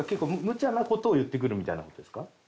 むちゃな事を言ってくるみたいな事ですか？